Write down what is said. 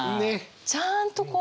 ちゃあんとこう。